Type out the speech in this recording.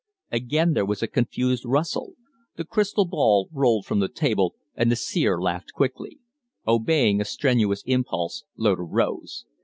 Again there was a confused rustle; the crystal ball rolled from the table, and the seer laughed quickly. Obeying a strenuous impulse, Loder rose.